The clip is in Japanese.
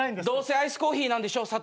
どうせアイスコーヒーなんでしょ